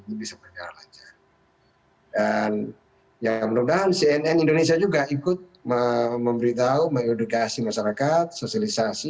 ya mudah mudahan cnn indonesia juga ikut memberitahu mengedukasi masyarakat sosialisasi